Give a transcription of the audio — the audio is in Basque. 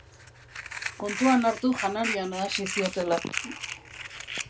Kontuan hartu janaria nahasi ziotela.